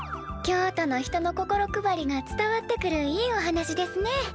京都の人の心配りが伝わってくるいいお話ですね。